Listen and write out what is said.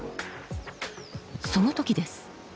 その時です。